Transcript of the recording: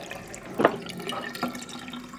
Mimthla a lek.